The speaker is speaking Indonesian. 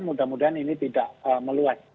mudah mudahan ini tidak meluas